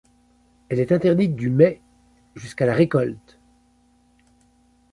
Elle est interdite du mai jusqu'à la récolte.